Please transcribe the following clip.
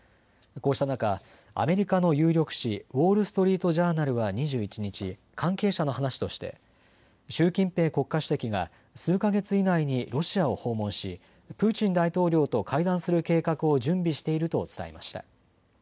こうした中、アメリカの有力紙、ウォール・ストリート・ジャーナルは２１日、関係者の話として習近平国家主席が数か月以内にロシアを訪問しプーチン大統領と会談する計画を準備していると伝えました。